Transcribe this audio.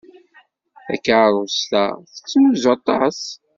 Takeṛṛust-a tettnuzu aṭas.